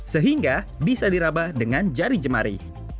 sehingga bisa diraba dengan jari jemari